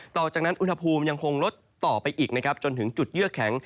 ต่อจากนั้นอุณหภูมิยังคงลดต่อไปอีกนะครับจนถึงจุดเยื่อแข็ง